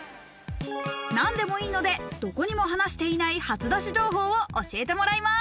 何でもいいので、どこにも話していない初出し情報を教えてもらいます。